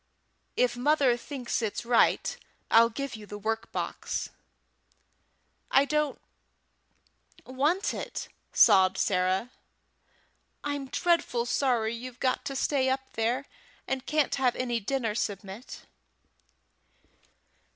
If mother thinks it's right, I'll give you the work box." "I don't want it," sobbed Sarah. "I'm dreadful sorry you've got to stay up there, and can't have any dinner, Submit."